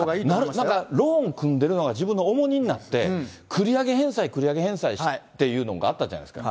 なんかローン組んでるのが、自分の重荷になって、繰り上げ返済、繰り上げ返済っていうのがあったじゃないですか。